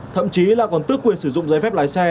thậm chí là còn tước quyền sử dụng giấy phép lái xe